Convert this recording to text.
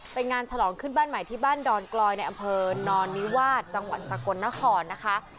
เป็นงานฉลองขึ้นบ้านใหม่ที่บ้านดอนกลอยในอำเภอนอนนิวาสจังหวัดสกลนครนะคะ